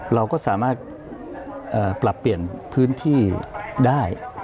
เราก็สามารถปรับเปลี่ยนพื้นที่ได้